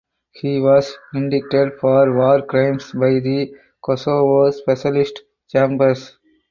He was indicted for war crimes by the Kosovo Specialist Chambers.